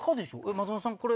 松本さんこれ。